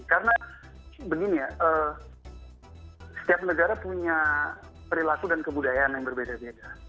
karena begini ya setiap negara punya perilaku dan kebudayaan yang berbeda beda